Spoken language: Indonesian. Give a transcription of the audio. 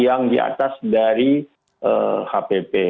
yang diatas dari hpp